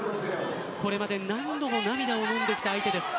これまで何度も涙をのんできた相手です。